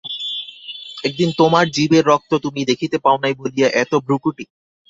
একদিন তোমার জীবের রক্ত তুমি দেখিতে পাও নাই বলিয়া এত ভ্রূকুটি!